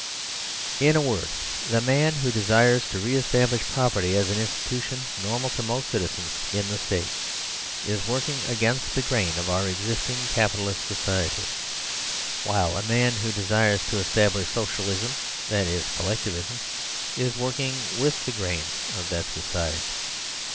In a word, the man who desires to re establish pro perty as an institution normal to most citizens in the State is working against the grain of our existing Capitalist society, while a man who desires to establish Socialism that is Collectivism is working with the grain of that society.